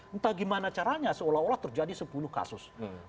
entah gimana caranya seolah olah terjadi sepuluh kasus